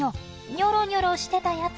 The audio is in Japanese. ニョロニョロしてたやつ。